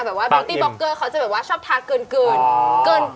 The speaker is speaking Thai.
แบบว่าแบล็คตีบอคเกอร์เขาจะชอบทักเกิน